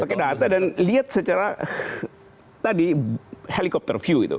pakai data dan lihat secara tadi helicopter view itu